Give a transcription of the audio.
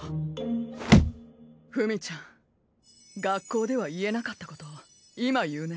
フミちゃん学校では言えなかったこと今言うね。